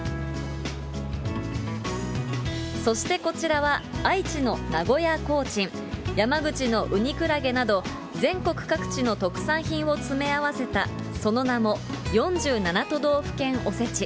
そしてこちらは、愛知の名古屋コーチン、山口のウニクラゲなど、全国各地の特産品を詰め合わせた、その名も４７都道府県おせち。